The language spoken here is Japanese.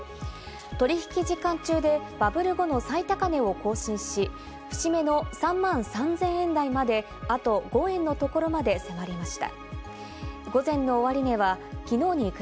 取引時間中でバブル後の最高値を更新し、節目の３万３０００円台まで、あと５円のところまで迫りました。